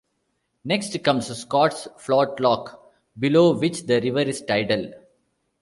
Next comes Scots Float Lock, below which the river is tidal.